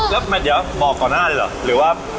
แล้วแม่เดี๋ยวบอกตอนนั้นหรือว่า